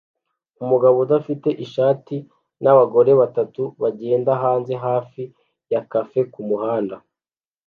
Umugabo udafite ishati nabagore batatu bagenda hanze hafi ya cafe kumuhanda